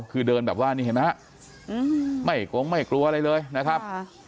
คือเดินแบบว่านี่เห็นไหมฮะไม่โกงไม่กลัวอะไรเลยนะครับ